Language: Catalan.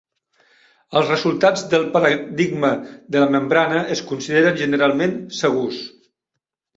Els resultats del paradigma de la membrana es consideren generalment "segurs".